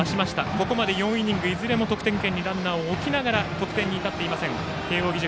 ここまで４イニングいずれも得点圏にランナーを置きながら得点に至っていません、慶応義塾。